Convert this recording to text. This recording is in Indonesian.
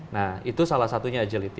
nah itu salah satunya agility